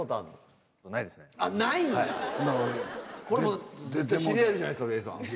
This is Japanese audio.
これ。